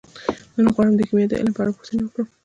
نن غواړم د کیمیا د علم په اړه پوښتنې وکړم.